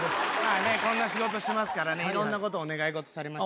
こんな仕事してますからね、いろんなことを、お願いされまして。